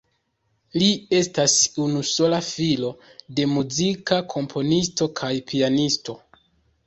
Li estas unusola filo de muzika komponisto kaj pianisto.